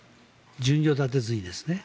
順序立てずにですね。